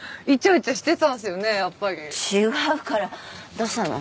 どうしたの？